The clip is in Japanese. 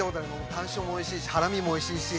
タン塩もおいしいしハラミもおいしいし。